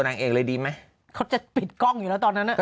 แสดงความยินดีขอบคุณมาก